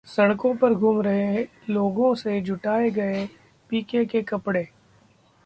सड़कों पर घूम रहे लोगों से जुटाए गए हैं पीके के कपड़े